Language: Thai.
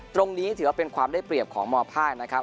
ตรงนี้ถือว่าเป็นความได้เปรียบของมภาคนะครับ